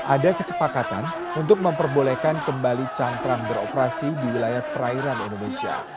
ada kesepakatan untuk memperbolehkan kembali cantrang beroperasi di wilayah perairan indonesia